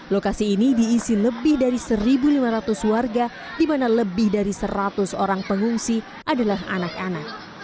lokasi ini diisi lebih dari satu lima ratus warga di mana lebih dari seratus orang pengungsi adalah anak anak